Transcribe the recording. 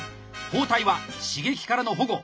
包帯は刺激からの保護。